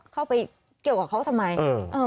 เข้าไปเกี่ยวกับเขาทำไม